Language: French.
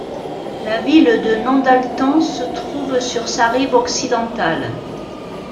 La ville de Nondalton se trouve sur sa rive occidentale.